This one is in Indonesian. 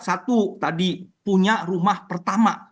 satu tadi punya rumah pertama